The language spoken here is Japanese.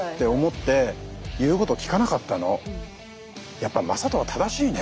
やっぱ魔裟斗は正しいね。